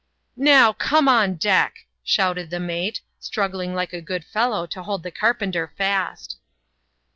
" Now, come on deck," shouted the mate, struggling like a good fellow to hold the carpenter fast.